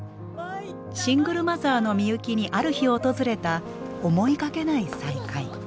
シングルマザーのミユキにある日訪れた思いがけない再会。